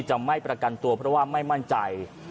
จะไม่ประกันตัวเพราะว่าไม่มั่นใจ